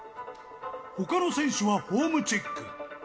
ほかの選手はフォームチェック。